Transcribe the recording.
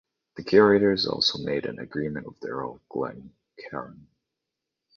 The curators also made an agreement with the Earl of Glencairn.